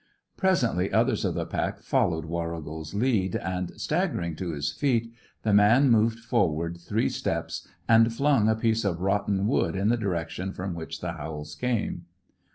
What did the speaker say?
Presently, others of the pack followed Warrigal's lead, and, staggering to his feet, the man moved forward three steps and flung a piece of rotten wood in the direction from which the howls came.